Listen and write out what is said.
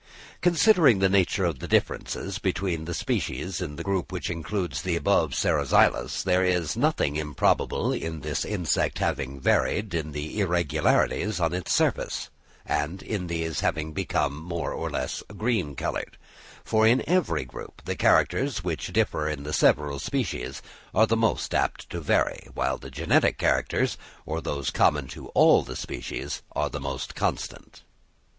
Considering the nature of the differences between the species in the group which includes the above Ceroxylus, there is nothing improbable in this insect having varied in the irregularities on its surface, and in these having become more or less green coloured; for in every group the characters which differ in the several species are the most apt to vary, while the generic characters, or those common to all the species, are the most constant.